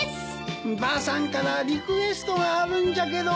・ばあさんからリクエストがあるんじゃけど。